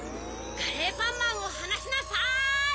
カレーパンマンをはなしなさい！